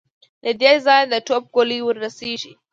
له دې ځايه د توپ ګولۍ ور رسېږي.